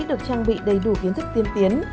được trang bị đầy đủ kiến thức tiên tiến